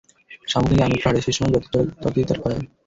শামুক নাকি আমৃত্যু হাঁটে, শেষ সময় যতই চলে ততই তার ক্ষয় হয়।